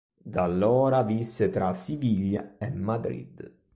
Da allora visse tra Siviglia e Madrid.